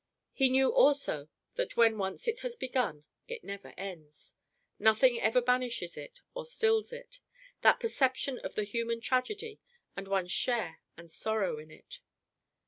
He knew also that when once it has begun, it never ends. Nothing ever banishes it or stills it that perception of the human tragedy and one's share and sorrow in it.